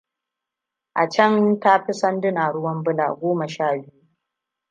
A can tafi sanduna ruwan bula goma sha biyu.